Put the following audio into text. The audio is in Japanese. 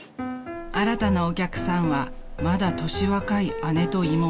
［新たなお客さんはまだ年若い姉と妹］